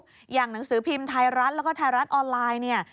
อย่างหนังสือพิมพ์ไทยรัฐแล้วก็ไทยรัฐออนไลน์เนี่ย